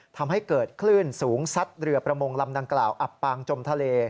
ทำให้เกิดคลื่นสูงซัดเรือประมงลำดังกล่าวอับปางจมทะเล